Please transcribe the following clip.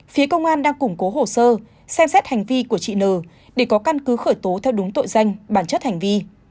phía công an đang củng cố hồ sơ xem xét hành vi của chị n để có căn cứ khởi tố theo đúng tội danh bản chất hành vi